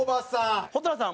蛍原さん